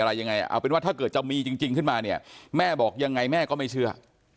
อะไรยังไงเอาเป็นว่าถ้าเกิดจะมีจริงขึ้นมาเนี่ยแม่บอกยังไงแม่ก็ไม่เชื่อ